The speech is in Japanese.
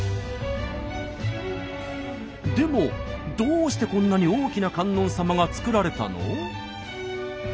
でもどうしてこんなに大きな観音様が作られたの？